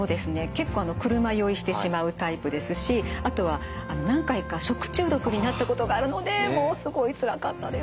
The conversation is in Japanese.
結構車酔いしてしまうタイプですしあとは何回か食中毒になったことがあるのでもうすごいつらかったです。